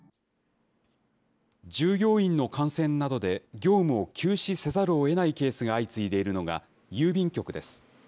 従業員の感染などで、業務を休止せざるをえないケースが相次いでいるのが郵便局です。